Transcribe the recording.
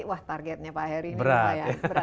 wah targetnya pak heri ini berat